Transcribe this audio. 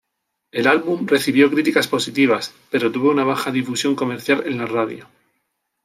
El álbum recibió críticas positivas, pero tuvo una baja difusión comercial en la radio.